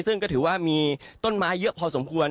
ซึ่งก็ถือว่ามีต้นไม้เยอะพอสมควร